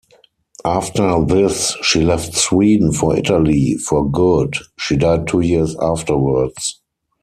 After this, she left Sweden for Italy for good: she died two years afterwards.